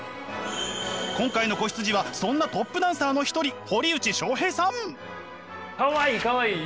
今回の子羊はそんなトップダンサーの一人「かわいいかわいい」